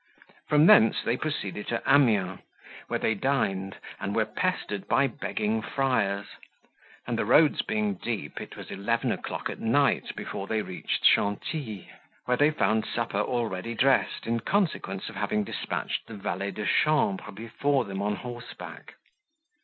From thence they proceeded to Amiens, where they dined, and were pestered by begging friars; and the roads being deep, it was eleven o'clock at night before they reached Chantilly, where they found supper already dressed, in consequence of having despatched the valet de chambre before them on horseback.